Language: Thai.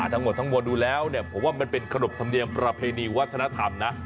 ทั้งหมดทั้งมวลดูแล้วผมว่ามันเป็นขนบธรรมเนียมประเพณีวัฒนธรรมนะ